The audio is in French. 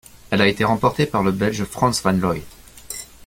Elle a été remportée par le Belge Frans Van Looy.